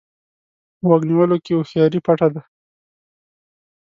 په غوږ نیولو کې هوښياري پټه ده.